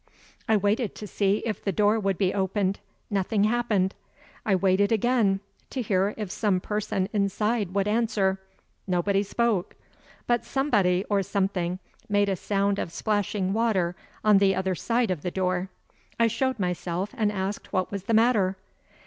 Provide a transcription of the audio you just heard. I waited to see if the door would be opened nothing happened. I waited again, to hear if some person inside would answer nobody spoke. But somebody, or something, made a sound of splashing water on the other side of the door. I showed myself, and asked what was the matter.